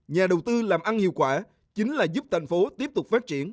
nhà đầu tư làm ăn hiệu quả chính là giúp thành phố tiếp tục phát triển